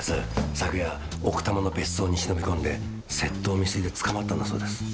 昨夜奥多摩の別荘に忍び込んで窃盗未遂で捕まったんだそうです。